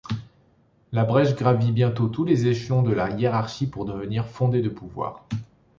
Labrèche gravit bientôt tous les échelons de la hiérarchie pour devenir fondé de pouvoir.